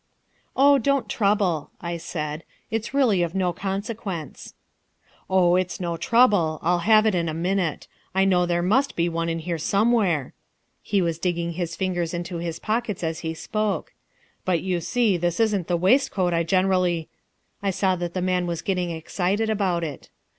"Oh, don't trouble," I said, "it's really of no consequence." "Oh, it's no trouble, I'll have it in a minute; I know there must be one in here somewhere" he was digging his fingers into his pockets as he spoke "but you see this isn't the waistcoat I generally...." I saw that the man was getting excited about it.